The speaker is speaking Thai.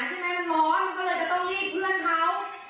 มันก็เลยไปต้องรีบเพื่อนเขา